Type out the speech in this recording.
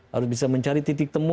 harus bisa mencari titik temu